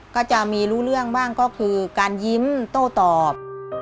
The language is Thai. ก็จะมีรู้เรื่องบ้างก็คือการยิ้มโต้ตอบ